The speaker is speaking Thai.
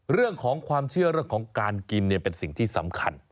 เรื่องของความเชื่อเรื่องของการกินเป็นสิ่งที่สำคัญ